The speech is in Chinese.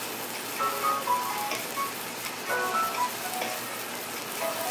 阿留申低压是位于北半球白令海邻近阿留申群岛在冬季所产生的半永久性低压系统。